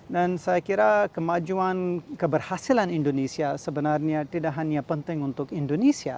dan saya kira kemajuan keberhasilan indonesia sebenarnya tidak hanya penting untuk indonesia